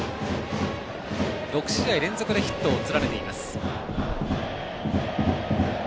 ６試合連続でヒットを連ねています。